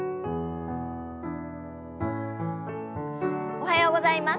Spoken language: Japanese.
おはようございます。